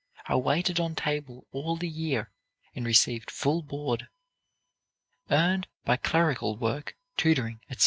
I waited on table all the year, and received full board; earned by clerical work, tutoring, etc.